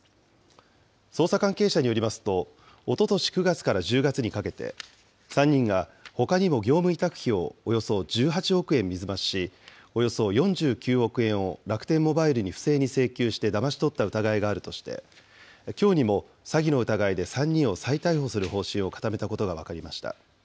捜査関係者によりますと、おととし９月から１０月にかけて、３人がほかにも業務委託費をおよそ１８億円水増しし、およそ４９億円を楽天モバイルに不正に請求してだまし取った疑いがあるとして、きょうにも詐欺の疑いで３人を再逮捕する方針を固めたことが分かりました。